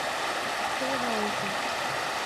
ছেড়ে দাও আমাকে।